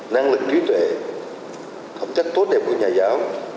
năng lực trí tuệ phẩm chất tốt đẹp của nhà giáo